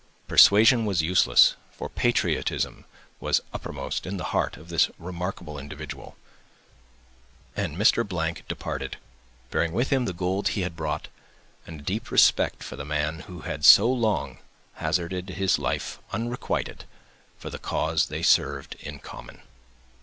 Persuasion was useless, for patriotism was uppermost in the heart of this remarkable individual; and Mr. —— departed, bearing with him the gold he had brought, and a deep respect for the man who had so long hazarded his life, unrequited, for the cause they served in common.